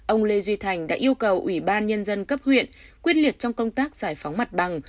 ông lê duy thành đã yêu cầu ủy ban nhân dân cấp huyện quyết liệt trong công tác giải phóng mặt bằng